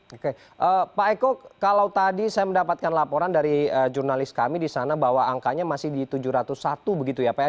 oke pak eko kalau tadi saya mendapatkan laporan dari jurnalis kami di sana bahwa angkanya masih di tujuh ratus satu begitu ya pak ya